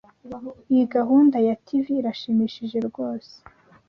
Iyi gahunda ya TV irashimishije rwose.